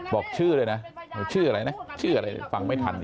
บอกชื่อเลยนะชื่ออะไรฟังไม่ทันอยู่